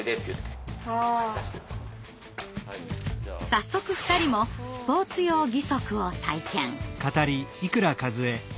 早速２人もスポーツ用義足を体験。